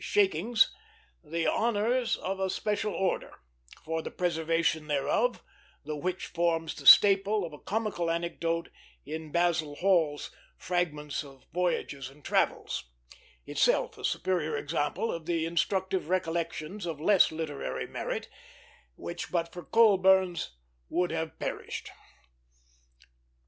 "shakings" the honors of a special order, for the preservation thereof, the which forms the staple of a comical anecdote in Basil Hall's Fragments of Voyages and Travels; itself a superior example of the instructive "recollections," of less literary merit, which but for Colburn's would have perished.